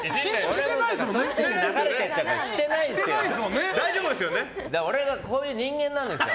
してないですよ！